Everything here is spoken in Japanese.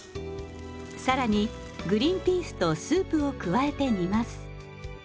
更にグリンピースとスープを加えて煮ます。